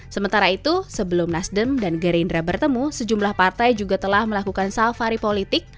sementara itu sebelum nasdem dan gerindra bertemu sejumlah partai juga telah melakukan safari politik